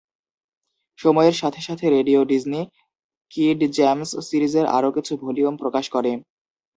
সময়ের সাথে সাথে, রেডিও ডিজনি "কিড জ্যামস" সিরিজের আরো কিছু ভলিউম প্রকাশ করে।